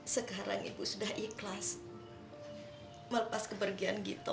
sekarang ibu sudah ikhlas sama gita